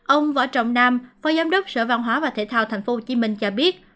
ông võ trọng nam phó giám đốc sở văn hóa và thể thao tp hcm cho biết